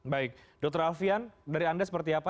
baik dr alfian dari anda seperti apa